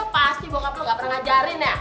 pasti bokap lo gak pernah ngajarin ya